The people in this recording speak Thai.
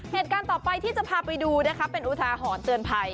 เหตุการณ์ต่อไปที่จะพาไปดูนะคะเป็นอุทาหรณ์เตือนภัย